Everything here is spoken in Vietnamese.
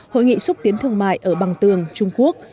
hội nghị xúc tiến thương mại ở bằng tường trung quốc